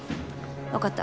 分かった。